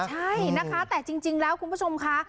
ใช่นะคะแต่จริงแล้วคุณผู้ชมค่ะ